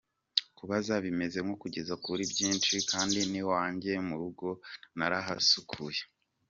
Kubaza bimaze kungeza kuri byinshi kandi n’iwanjye mu rugo narahasukuye.